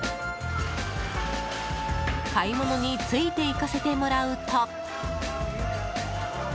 買い物についていかせてもらうと。